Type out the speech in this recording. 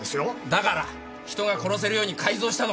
だから人が殺せるように改造したのか？